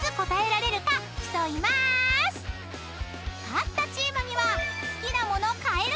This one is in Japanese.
［勝ったチームには］